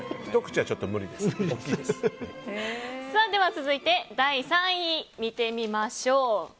では、続いて第３位見てみましょう。